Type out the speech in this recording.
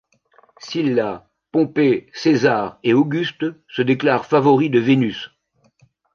Sylla, Pompée, César et Auguste se déclarent favoris de Vénus.